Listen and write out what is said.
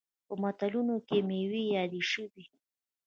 په متلونو کې میوې یادې شوي.